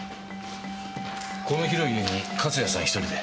この広い家に勝谷さん１人で？